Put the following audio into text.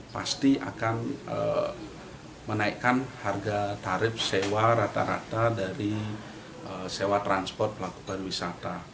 pasti akan menaikkan harga tarif sewa rata rata dari sewa transport melakukan wisata